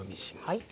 はい。